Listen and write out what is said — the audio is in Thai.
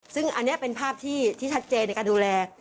ซึ่งอันนี้เป็นภาพที่ชัดเจนในการดูแล